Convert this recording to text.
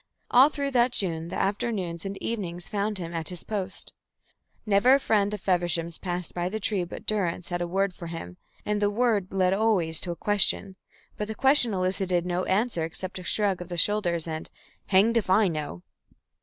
All through that June the afternoons and evenings found him at his post. Never a friend of Feversham's passed by the tree but Durrance had a word for him, and the word led always to a question. But the question elicited no answer except a shrug of the shoulders, and a "Hanged if I know!"